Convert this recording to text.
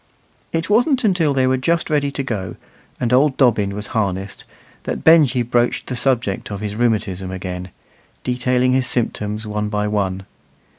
It wasn't till they were just ready to go, and old Dobbin was harnessed, that Benjy broached the subject of his rheumatism again, detailing his symptoms one by one.